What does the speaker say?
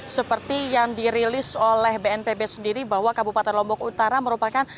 seperti yang dirilis oleh bnpb sendiri bahwa kabupaten lombok utara merupakan